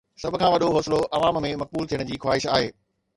سڀ کان وڏو حوصلو عوام ۾ مقبول ٿيڻ جي خواهش آهي.